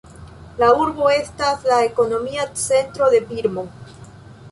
La urbo estas la ekonomia centro de Birmo.